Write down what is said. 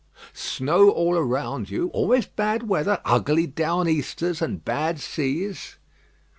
"Snow all round you; always bad weather; ugly down easters, and bad seas."